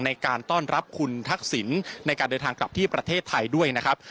ในการต้อนรับคุณทักษิณในการเดินทางกลับที่ประเทศไทยด้วยนะครับ